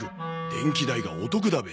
電気代がお得だべ。